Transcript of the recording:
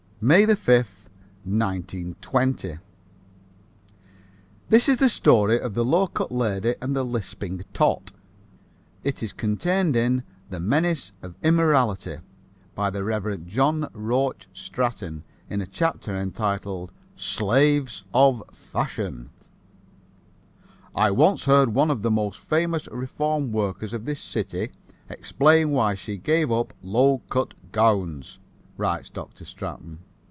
MAY 5, 1920. This is the story of the low cut lady and the lisping tot. It is contained in The Menace of Immorality, by the Rev. John Roach Straton, in a chapter entitled "Slaves of Fashion": "I once heard one of the most famous reform workers of this city explain why she gave up low cut gowns," writes Dr. Straton.